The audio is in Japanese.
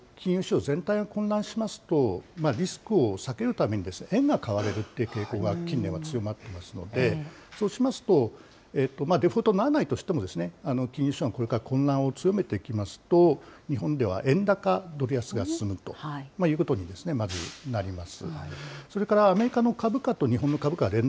例えば、金融市場全体が混乱しますと、リスクを避けるために円が買われるっていう傾向が近年は強まっていますので、そうしますと、デフォルトにならないとしても、金融市場が混乱を強めていきますと、日本では円高ドル安が進むということにまずなります。